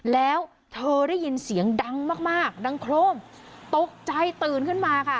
แล้วเธอได้ยินเสียงดังมากมากดังโครมตกใจตื่นขึ้นมาค่ะ